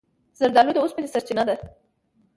زردالو د اوسپنې سرچینه هم ده.